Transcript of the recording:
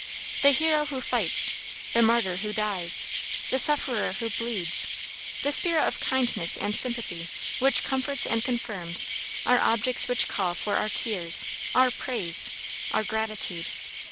The hero who fights, the martyr who dies, the sufferer who bleeds, the spirit of kindness and sympathy which comforts and confirms are objects which call for our tears, our praise, our gratitude.